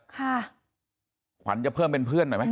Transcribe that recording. ขวัญจะเพิ่มเป็นเพื่อนหน่อยไหม